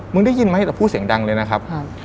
ได้ยินไหมแต่พูดเสียงดังเลยนะครับ